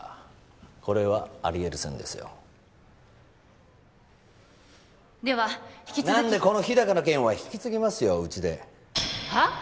これはありえる線ですよでは引き続きなんでこの日高の件は引き継ぎますようちではあ？